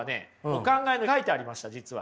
お考えに書いてありました実は。